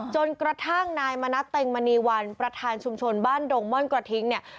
จนกระทั่งนายมณัฐเต็งมณีวันประธานชุมชนบ้านดงม่อนกระทิงเนี่ย